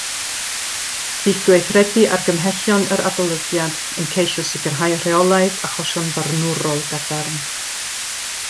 Bydd gweithredu argymhellion yr adolygiad yn ceisio sicrhau rheolaeth achosion barnwrol gadarn